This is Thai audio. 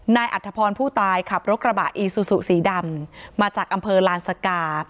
อัธพรผู้ตายขับรถกระบะอีซูซูสีดำมาจากอำเภอลานสกา